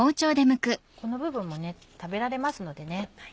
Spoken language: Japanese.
この部分も食べられますので。